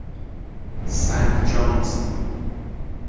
سنت جونز